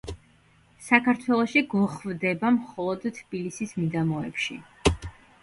საქართველოში გვხვდება მხოლოდ თბილისის მიდამოებში.